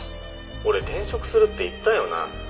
「俺転職するって言ったよな？」